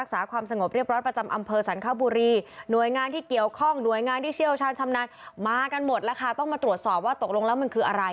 มากันหมดต้องมาตรวจสอบว่าตกลงแล้วมันคืออะไร